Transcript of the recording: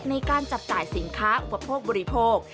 ในการจับจ่ายสินค้าอุปโภคบริโภค